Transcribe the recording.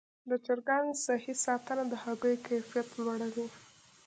د چرګانو صحي ساتنه د هګیو کیفیت لوړوي.